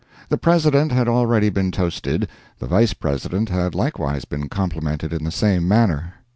The President had already been toasted, the Vice President had likewise been complimented in the same manner.